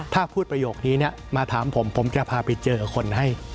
ถ้าพูดประโยคนี้มาถามผมผมจะพาไปเจอคนให้